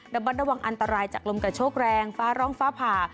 บัดระวังอันตรายจากลมกระโชคแรงฟ้าร้องฟ้าผ่า